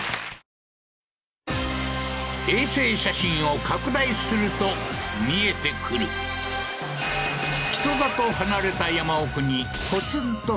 衛星写真を拡大すると見えてくる人里離れた